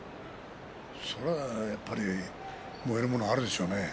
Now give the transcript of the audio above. それはやっぱり燃えるもんがあるでしょうね。